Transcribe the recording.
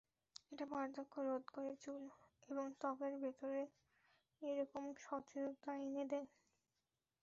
এটা বার্ধক্য রোধ করে চুল এবং ত্বকের ভেতর একরকম সতেজতা এনে দেয়।